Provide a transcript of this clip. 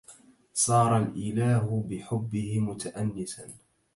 صار الإله بحبه متأنسا